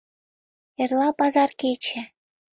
Эрла — пазар кече.